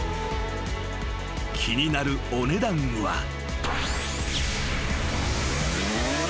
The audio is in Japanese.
［気になるお値段は］